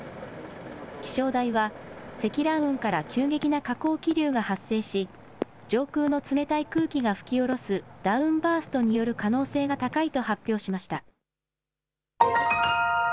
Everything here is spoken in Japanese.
気象台は、積乱雲から急激な下降気流が発生し、上空の冷たい空気が吹き降ろすダウンバーストによる可能性が高いと発表しました。